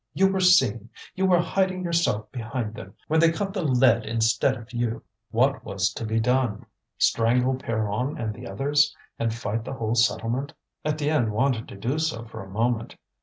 You were seen; you were hiding yourself behind them when they caught the lead instead of you!" What was to be done? Strangle Pierronne and the others, and fight the whole settlement? Étienne wanted to do so for a moment.